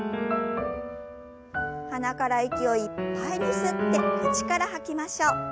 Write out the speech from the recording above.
鼻から息をいっぱいに吸って口から吐きましょう。